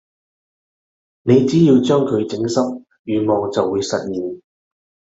你只要將佢整着願望就會實現